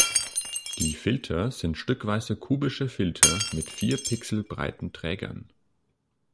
Die Filter sind stückweise kubische Filter mit vier Pixel breiten Trägern.